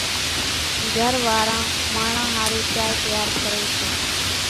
گھر واران ماڻۿان ۿارُو چائيَ تيار ڪريَ سي۔